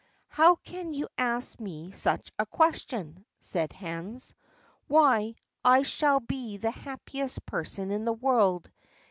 "How can you ask me such a question?" said Hans. "Why, I shall be the happiest person in the world.